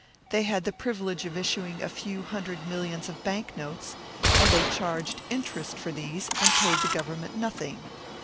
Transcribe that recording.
They had the privilege of issuing a few hundred millions of bank notes, and they charged interest for these and paid the Government nothing.